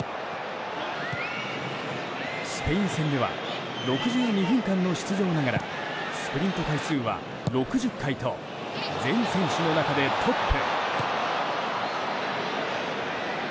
スペイン戦では６２分間の出場ながらスプリント回数は６０回と全選手の中でトップ。